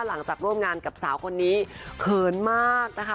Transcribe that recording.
หลังจากร่วมงานกับสาวคนนี้เขินมากนะคะ